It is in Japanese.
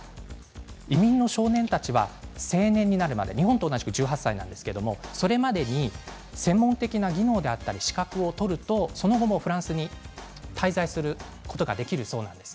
移民の少年たちは成年になるまで日本と同じように１８歳ですけどそれまでに専門的な技能があったり資格を取るとその後もフランスに滞在することができるそうなんです。